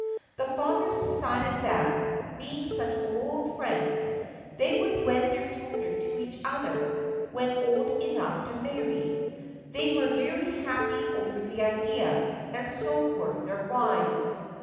The fathers decided that, being such old friends, they would wed their children to each other when old enough to marry ; they were very happy over the idea, and so were their wives.